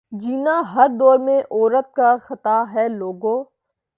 جینا ہر دور میں عورت کا خطا ہے لوگو